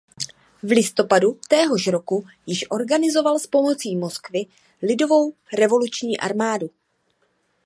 V listopadu téhož roku již organizoval s pomocí Moskvy lidovou revoluční armádu.